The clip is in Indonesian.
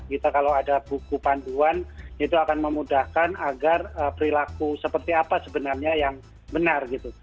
kita kalau ada buku panduan itu akan memudahkan agar perilaku seperti apa sebenarnya yang benar gitu